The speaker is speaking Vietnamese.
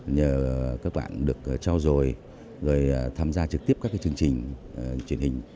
nhờ các bạn được trao dồi rồi tham gia trực tiếp các chương trình truyền hình